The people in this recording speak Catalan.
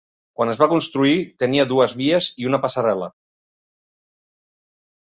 Quan es va construir tenia dues vies i una passarel·la.